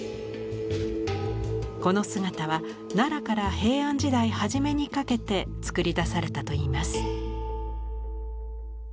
この姿は奈良から平安時代初めにかけて作りだされたといいます。